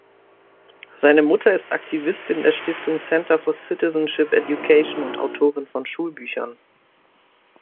Seine Mutter ist Aktivistin der Stiftung Center for Citizenship Education und Autorin von Schulbüchern.